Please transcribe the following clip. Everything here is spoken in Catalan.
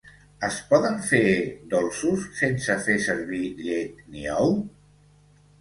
Es poden fer dolços sense fer servir llet ni ou?